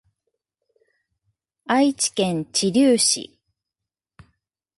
愛知県知立市